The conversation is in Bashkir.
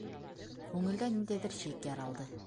Күңелдә ниндәйҙер шик яралды.